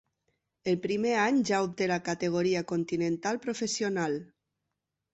El primer any ja obté la categoria continental professional.